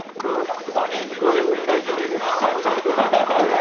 そこは電気風呂ですよ、大丈夫ですか。